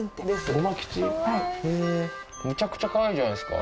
ごま吉へぇむちゃくちゃかわいいじゃないですか。